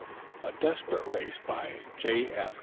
A DESPERATE RACE BY J.F.